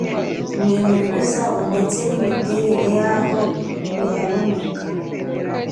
n’iinyungu zabo ndetse n’imiterere yahoo biraboneka